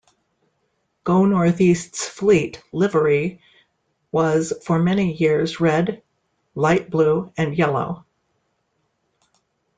Go North East's fleet livery was for many years red, light blue and yellow.